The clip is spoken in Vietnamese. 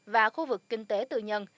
và khu vực kinh tế tư nhân